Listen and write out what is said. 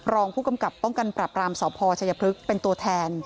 รองผู้กำกับป้องกันปรับรามสพชัยพฤกษ์เป็นตัวแทน